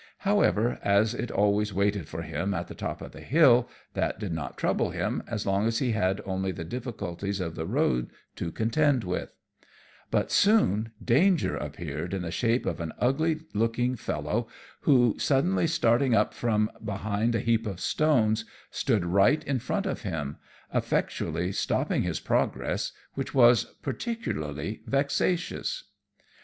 However, as it always waited for him at the top of the hill, that did not trouble him as long as he had only the difficulties of the road to contend with; but soon danger appeared in the shape of an ugly looking fellow, who, suddenly starting up from behind a heap of stones, stood right in front of him, effectually stopping his progress, which was particularly vexatious.